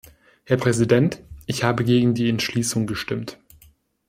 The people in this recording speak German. Herr Präsident, ich habe gegen die Entschließung gestimmt.